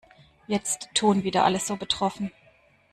Jetzt tun wieder alle so betroffen.